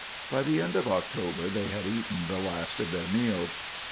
By the end of October they had eaten the last of their meal.